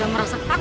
jarum beracun ini